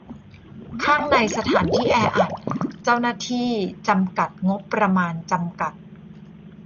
ข้างในสถานที่แออัด เจ้าหน้าที่จำกัด งบประมาณจำกัด